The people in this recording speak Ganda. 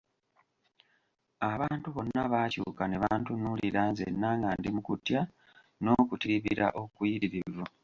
Abantu bonna baakyuka ne bantunuulira nzenna nga ndi mu kutya n'okutiribira okuyitirivu.